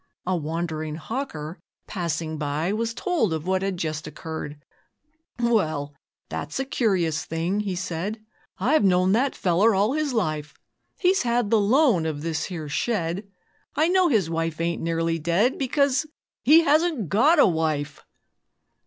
A wandering hawker passing by Was told of what had just occurred. 'Well! that's a curious thing,' he said, 'I've known that feller all his life He's had the loan of this here shed! I know his wife ain't nearly dead, Because he HASN'T GOT A WIFE!'